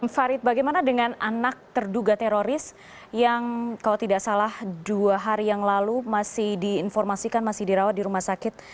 farid bagaimana dengan anak terduga teroris yang kalau tidak salah dua hari yang lalu masih diinformasikan masih dirawat di rumah sakit